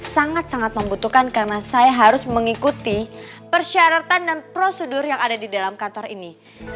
sangat sangat membutuhkan karena saya harus mengikuti persyaratan dan prosedur yang ada di dalam kantor ini